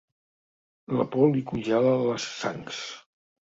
La por li congela les sangs.